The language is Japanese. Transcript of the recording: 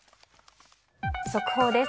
速報です。